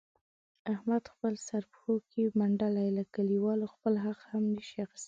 احمد خپل سر پښو کې منډلی، له کلیوالو خپل حق هم نشي اخستلای.